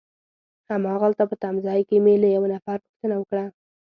هماغلته په تمځای کي مې له یوه نفر پوښتنه وکړه.